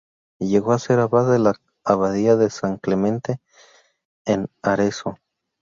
Llegó a ser abad de la Abadía de San Clemente, en Arezzo.